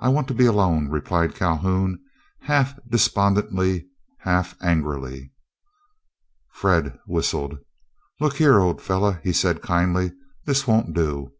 I want to be alone," replied Calhoun, half despondently, half angrily. Fred whistled. "Look here, old fellow," he said, kindly, "this won't do.